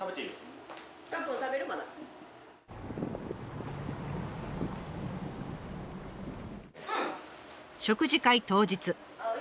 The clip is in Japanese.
食事会当日。